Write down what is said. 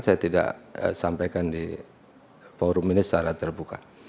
saya tidak sampaikan di forum ini secara terbuka